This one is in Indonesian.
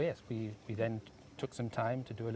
jika kita bisa menemukan udara